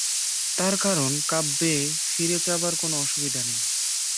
তার কারণ, কাব্যে ফিরে চাবার কোনো অসুবিধে নেই।